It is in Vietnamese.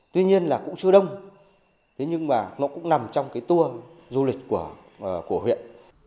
tuy nhiên là cũng chưa đông nhưng mà nó cũng nằm trong tour du lịch của huyện